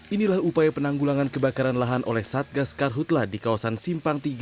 inilah upaya penanggulangan kebakaran lahan oleh satgas karhutlah di kawasan simpang tiga